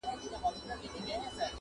دا د قسمت په حوادثو کي پېیلی وطن!.